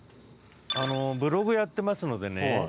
あのブログやってますのでね